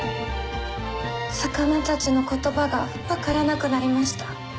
魚たちの言葉が分からなくなりました。